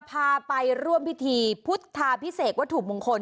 พาไปร่วมพิธีพุทธาพิเศษวัตถุมงคล